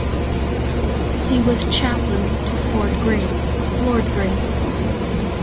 He was Chaplain to Ford Grey, Lord Grey.